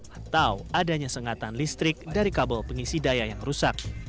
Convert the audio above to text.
atau adanya sengatan listrik dari kabel pengisi daya yang rusak